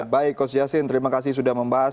baik coach yassin terima kasih sudah membahas